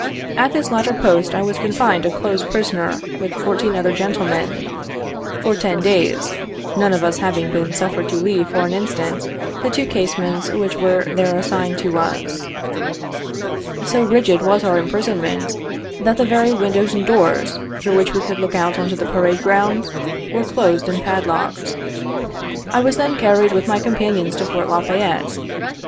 At this latter post I was confined a close prisoner, with fourteen other gentlemen, for ten days, none of us having been suffered to leave for an instant the two casemates which were there assigned to us. So rigid was our imprisonment, that the very windows and doors, through which we could look out on the pa rade ground, were closed and padlocked. I was then carried, with my companions, to Fort La Fayette.